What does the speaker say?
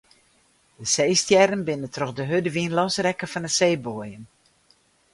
De seestjerren binne troch de hurde wyn losrekke fan de seeboaiem.